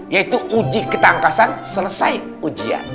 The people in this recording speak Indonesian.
yaitu uji ketangkasan selesai ujian